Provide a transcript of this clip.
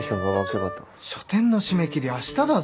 書展の締め切りあしただぞ。